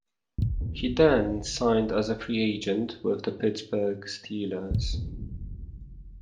He then signed as a free agent with the Pittsburgh Steelers.